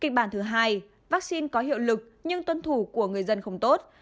kịch bản thứ hai vaccine có hiệu lực nhưng tuân thủ của người dân không tốt